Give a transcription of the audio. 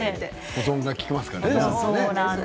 保存が利きますからね。